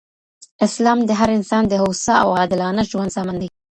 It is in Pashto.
اسلام د هر انسان د هوسا او عادلانه ژوند ضامن دی.